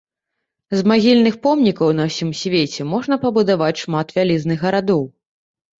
З магільных помнікаў на ўсім свеце можна пабудаваць шмат вялізных гарадоў.